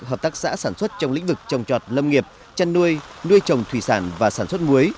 hợp tác xã sản xuất trong lĩnh vực trồng trọt lâm nghiệp chăn nuôi nuôi trồng thủy sản và sản xuất muối